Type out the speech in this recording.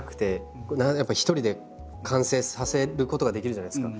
やっぱり一人で完成させることができるじゃないですか。